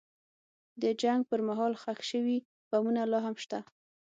د جنګ پر مهال ښخ شوي بمونه لا هم شته.